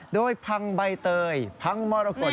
โดยพังใบเตยพังมรกฏ